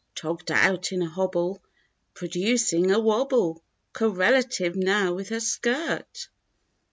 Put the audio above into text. Togged out in a hobble. Producing a wobble. Correlative now with her skirt.